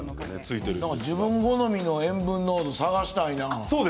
自分好みの塩分濃度を探したいな。